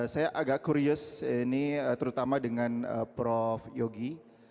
saya agak kurius ini terutama dengan prof yogi